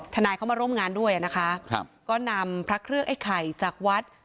ทนายเข้ามาร่วมงานด้วยนะคะครับก็นำพระเครื่องไอ้ไข่จากวัด